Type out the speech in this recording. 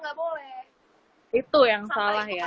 nggak boleh itu yang salah ya